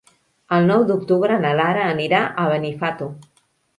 El nou d'octubre na Lara anirà a Benifato.